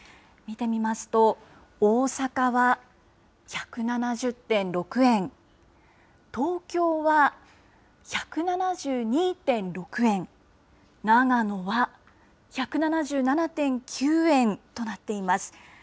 見てみますと、大阪は１７０．６円、東京は１７２．６円、長野は１７７．９円となっています。